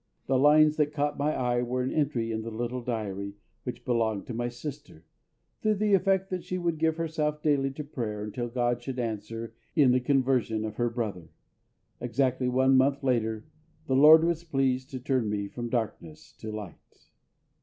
The lines that caught my eye were an entry in the little diary, which belonged to my sister, to the effect that she would give herself daily to prayer until GOD should answer in the conversion of her brother. Exactly one month later the LORD was pleased to turn me from darkness to light.